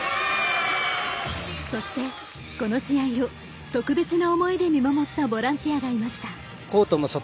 そしてこの試合を特別な思いで見守ったボランティアがいました。